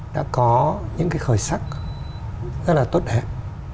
đã có những cái khởi sắc rất là tốt đẹp